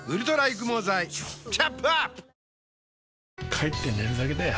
帰って寝るだけだよ